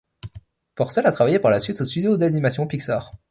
Purcell a travaillé par la suite aux studios d'animation Pixar.